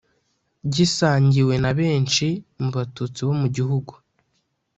gisangiwe na benshi mu batutsi bo mu gihugu